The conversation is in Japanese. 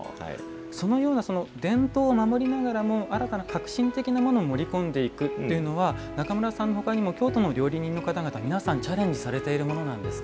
そのような伝統を守りながらも新たな革新的なものを盛り込んでいくというのは中村さんのほかにも京都の料理人の方々皆さん、チャレンジされているものなんですか。